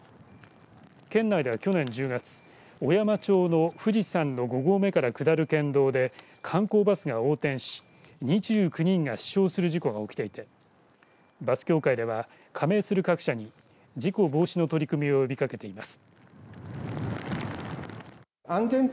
県内では去年１０月小山町の富士山の５合目から下る県道で観光バスが横転し２９人が死傷する事故が起きていてバス協会では加盟する各社に事故防止の取り組みを呼びかけています。